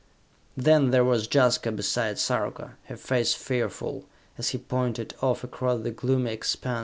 Then there was Jaska beside Sarka, her face fearful, as he pointed off across the gloomy expanse of the Moon.